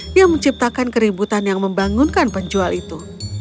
yang menciptakan keributan yang membangunkan penjual itu